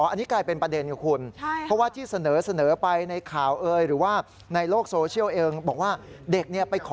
อันนี้กลายเป็นประเด็นของคุณ